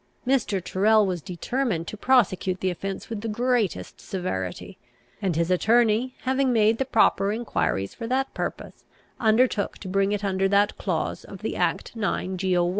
Mr. Tyrrel was determined to prosecute the offence with the greatest severity; and his attorney, having made the proper enquiries for that purpose, undertook to bring it under that clause of the act 9 Geo.